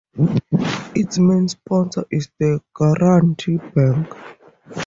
Its main sponsor is the Garanti Bank.